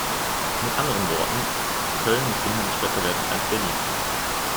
Mit anderen Worten, Köln muss inhaltlich besser werden als Berlin.